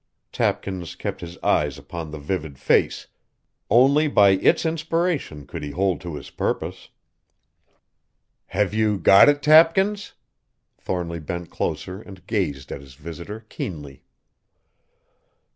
Tapkins kept his eyes upon the vivid face, only by its inspiration could he hold to his purpose. "Have you got it, Tapkins?" Thornly bent closer and gazed at his visitor keenly.